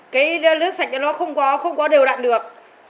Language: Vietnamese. cái nước sạch nó không có điều đạn được